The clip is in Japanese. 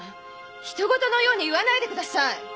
人ごとのように言わないでください！